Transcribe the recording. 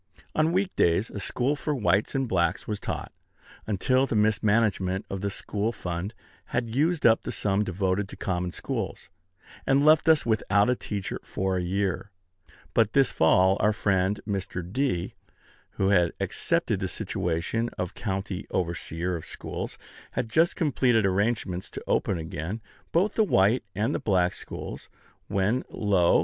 On week days a school for whites and blacks was taught, until the mismanagement of the school fund had used up the sum devoted to common schools, and left us without a teacher for a year. But this fall our friend Mr. D., who had accepted the situation of county overseer of schools, had just completed arrangements to open again both the white and the black schools, when, lo!